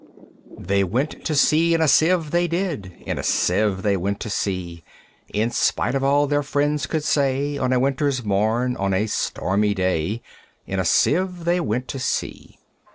I. They went to sea in a Sieve, they did, In a Sieve they went to sea: In spite of all their friends could say, On a winter's morn, on a stormy day, In a Sieve they went to sea!